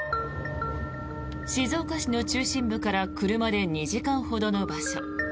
静岡市の中心部から車で２時間ほどの場所。